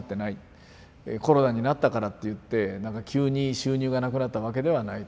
コロナになったからっていってなんか急に収入がなくなったわけではないと。